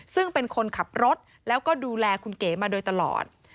ซึ่งเป็นคนขับรถแล้วก็ดูแลคุณเก๋มาโดยตลอด